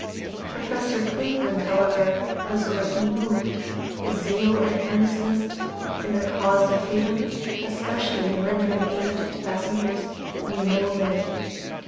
Professor Cleveland, however, was greatly moved. His zeal and earnestness in the cause of freedom, especially in rendering aid to passengers, knew no limit.